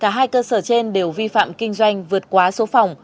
nhưng mà hai cơ sở trên đều vi phạm kinh doanh vượt quá số phòng